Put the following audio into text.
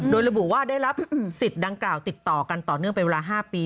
โดยระบุว่าได้รับสิทธิ์ดังกล่าวติดต่อกันต่อเนื่องเป็นเวลา๕ปี